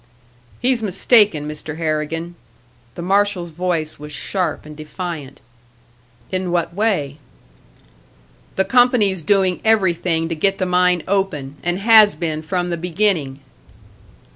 "He's mistaken, Mr. Harrigan." The marshal's voice was sharp and defiant. "In what way?" "The company's doing everything to get the mine open, and has been from the beginning."